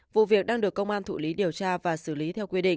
vụ việc đang được công an thụ lý điều tra và xử lý theo quy định